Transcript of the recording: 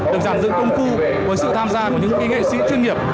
được giảm dự công khu với sự tham gia của những nghệ sĩ chuyên nghiệp